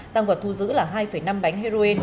tăng vật thu giữ là hai năm bánh heroin